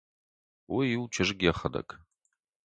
Уый у чызг йӕхӕдӕг.